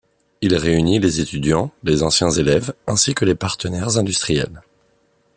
Il réunit les étudiants, les anciens élèves ainsi que les partenaires industriels.